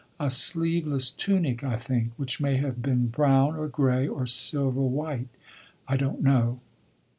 A sleeveless tunic, I think, which may have been brown, or grey, or silver white. I don't know.